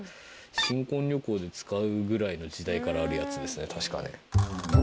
新婚旅行で使うぐらいの時代からあるやつですね確かね。